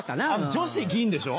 女子銀でしょ？